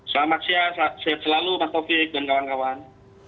salam sehat selalu pak taufik dan kawan kawan